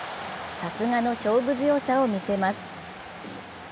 さすがの勝負強さを見せます。